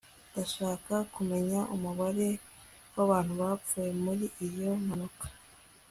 ndashaka kumenya umubare w'abantu bapfuye muri iyo mpanuka